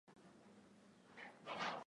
Singekataa maneno aliyosema.